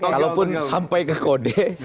kalaupun sampai ke kode